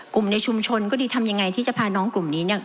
กลุ่มในชุมชนก็ดีทำอย่างไรที่จะพาน้องกลุ่มนี้